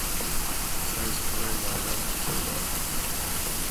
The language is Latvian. Es aizkavēju vairākus cilvēkus.